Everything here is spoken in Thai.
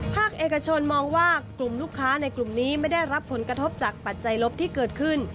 ภาคเอกชนมองว่ากลุ่มลูกค้าในกลุ่มนี้ไม่ได้รับผลกระทบจากปัจจัยลบที่เกิดขึ้น